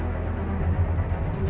aduh masuk kolong lagi